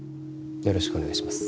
よろしくお願いします